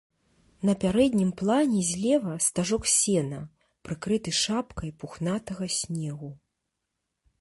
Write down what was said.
На пярэднім плане злева стажок сена, прыкрыты шапкай пухнатага снегу.